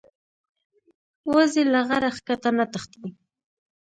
وزې له غره ښکته نه تښتي